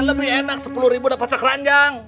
lebih enak sepuluh ribu dapat cek ranjang